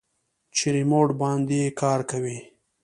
چې په ريموټ باندې کار کوي.